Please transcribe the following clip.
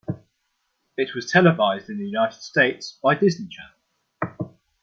It was televised in the United States by Disney Channel.